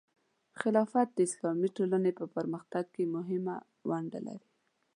خلافت د اسلامي ټولنې په پرمختګ کې مهمه ونډه لري.